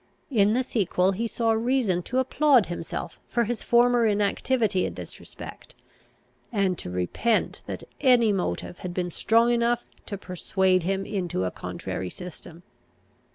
In the sequel, he saw reason to applaud himself for his former inactivity in this respect, and to repent that any motive had been strong enough to persuade him into a contrary system.